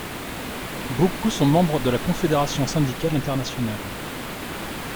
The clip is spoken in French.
Beaucoup sont membres de la Confédération syndicale internationale.